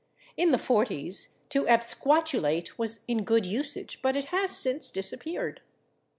In the 40's /to absquatulate/ was in good usage, but it has since disappeared.